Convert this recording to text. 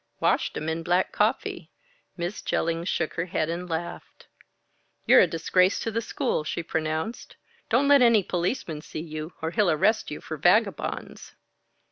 "Washed 'em in black coffee." Miss Jellings shook her head and laughed. "You're a disgrace to the school!" she pronounced. "Don't let any policeman see you, or he'll arrest you for vagabonds."